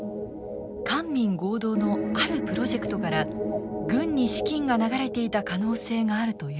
官民合同のあるプロジェクトから軍に資金が流れていた可能性があるというのです。